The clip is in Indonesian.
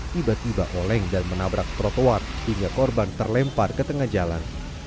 tiba tiba oleng dan menabrak trotoar hingga korban terlempar ke tengah jalan